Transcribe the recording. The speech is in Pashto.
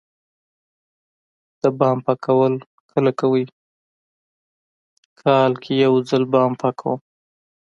د بام پاکول کله کوئ؟ کال کې یوځل بام پاکوم